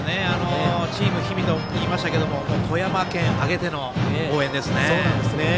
チーム氷見と言いましたけども富山県挙げての応援ですね。